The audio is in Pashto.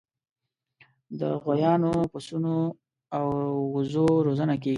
د غویانو، پسونو او وزو روزنه کیږي.